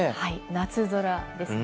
はい、夏空ですね。